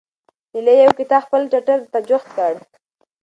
هیلې یو کتاب خپل ټټر ته جوخت کړ.